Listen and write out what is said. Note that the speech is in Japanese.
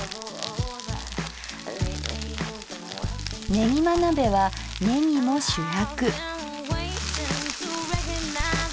ねぎま鍋はねぎも主役。